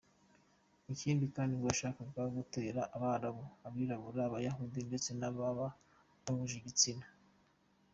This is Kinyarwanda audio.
Ikindi kandi ngo yashakaga gutera Abarabu, Abirabura, Abayahudi ndetse n’ababana bahuje igitsina.